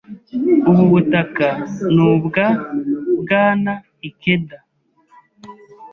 Ubu butaka ni ubwa Bwana Ikeda.